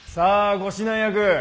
ご指南役！